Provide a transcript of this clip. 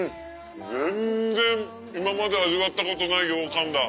全然今まで味わったことない羊羹だ。